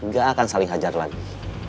gak akan saling hajar lagi